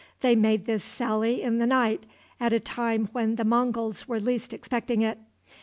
They made this sally in the night, at a time when the Monguls were least expecting it.